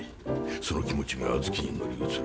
その気持ちが小豆に乗り移る。